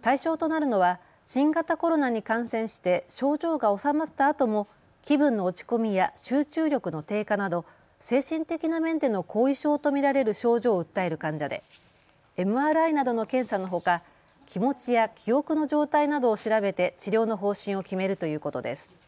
対象となるのは新型コロナに感染して症状が治まったあとも気分の落ち込みや集中力の低下など精神的な面での後遺症と見られる症状を訴える患者でＭＲＩなどの検査のほか気持ちや記憶の状態などを調べて治療の方針を決めるということです。